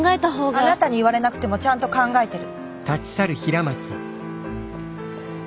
あなたに言われなくてもちゃんと考えてる。